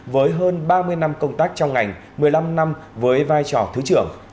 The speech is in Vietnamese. với hơn ba mươi năm công tác trong ngành một mươi năm năm với vai trò thứ trưởng